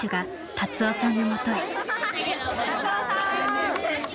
達夫さん。